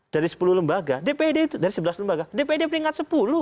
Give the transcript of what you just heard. dari sepuluh lembaga dpd itu dari sebelas lembaga dpd peringkat sepuluh